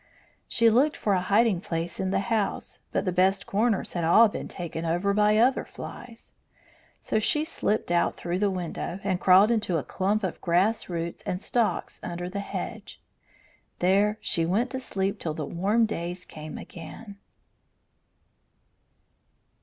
She looked for a hiding place in the house, but the best corners had all been taken by other flies; so she slipped out through the window and crawled into a clump of grass roots and stalks under the hedge. There she went to sleep till the warm days came again.